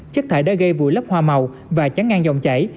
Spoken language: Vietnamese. chất thải đã gây vụi lấp hoa màu và chắn ngang dòng chảy